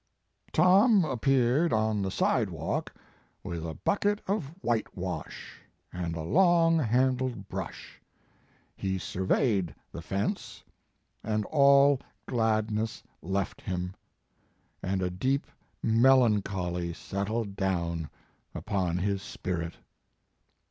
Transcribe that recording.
"Tom appeared on the sidewalk with a bucket of whitewash and a long handled brush. He surveyed the fence, and all gladness left him, and a deep melancholy settled down upon his spirit.